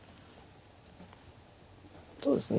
そうですね。